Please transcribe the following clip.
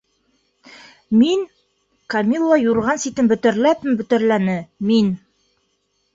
Мин, - Камилла юрған ситен бөтәрләпме-бөтәрләне, - мин...